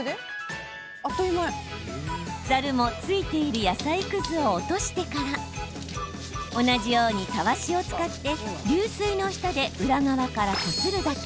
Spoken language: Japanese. ざるも、ついている野菜クズを落としてから同じように、たわしを使って流水の下で裏側からこするだけ。